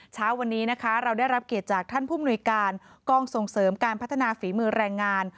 เช้าวันนี้นะคะเราได้รับเกียรติจากท่านผู้มนุยการกองส่งเสริมการพัฒนาฝีมือแรงงาน